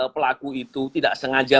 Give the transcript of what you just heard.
pelaku itu tidak sengaja